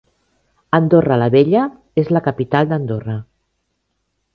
Andorra la Vella és la capital d'Andorra.